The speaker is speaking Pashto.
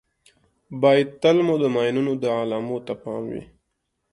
باید تل مو د ماینونو د علامو ته پام وي.